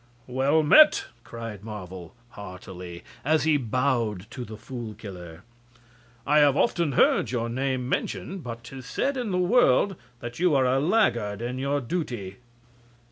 "Well met!" cried Marvel, heartily, as he bowed to the Fool Killer. "I have often heard your name mentioned, but 'tis said in the world that you are a laggard in your duty."